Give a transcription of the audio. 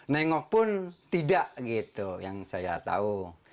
nengok pun tidak gitu yang saya tahu